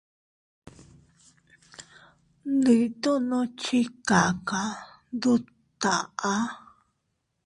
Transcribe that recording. Ndi tono chi kaka ndut taʼa.